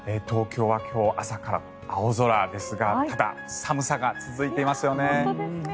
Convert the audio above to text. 東京は今日、朝から青空ですがただ寒さが続いていますよね。